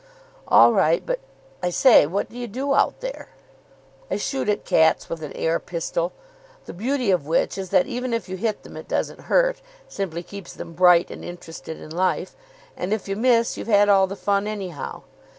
"All right. But, I say, what do you do out there?" "I shoot at cats with an air pistol, the beauty of which is that even if you hit them it doesn't hurt simply keeps them bright and interested in life; and if you miss you've had all the fun anyhow.